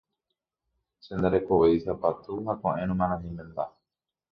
Che ndarekovéi sapatu ha ko'ẽrõma la ñemenda.